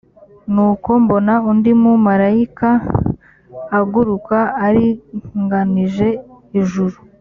nuko mbona undi mumarayika aguruka aringanije ijuru